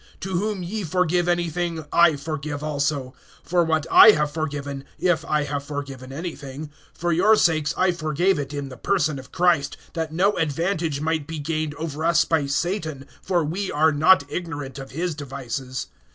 (10)To whom ye forgive anything, I forgive also; for what I have forgiven, if I have forgiven anything, for your sakes I forgave it in the person of Christ, (11)that no advantage might be gained over us by Satan; for we are not ignorant of his devices.